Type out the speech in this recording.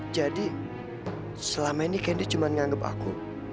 jadi selama ini candy cuma nganggep aku